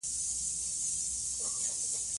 ځنګلونه د افغانستان د ځمکې د جوړښت نښه ده.